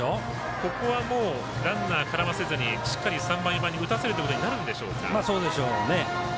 ここは、ランナーからませずにしっかり３番、４番に打たせることになるでしょうか。